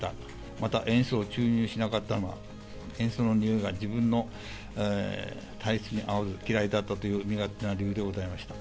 また塩素を注入しなかったのは、塩素のにおいが、自分の体質に合わず嫌いだったという身勝手な理由でございました。